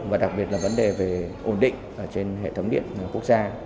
và đặc biệt là vấn đề về ổn định trên hệ thống điện quốc gia